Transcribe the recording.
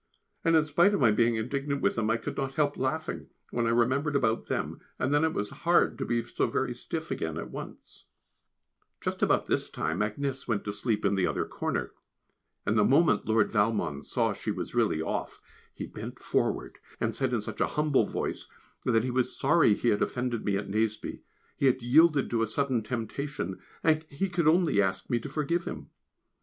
And in spite of my being indignant with him I could not help laughing, when I remembered about them, and then it was hard to be very stiff again at once. [Sidenote: The Offending Dimple] Just about this time Agnès went to sleep in the other corner, and the moment Lord Valmond saw she was really off, he bent forward and said in such a humble voice, that he was sorry he had offended me at Nazeby; he had yielded to a sudden temptation, and he could only ask me to forgive him.